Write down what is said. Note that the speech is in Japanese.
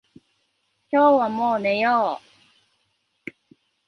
今日はもう寝よう。